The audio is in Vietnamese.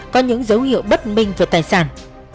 có những dấu hiệu bất minh về tài sản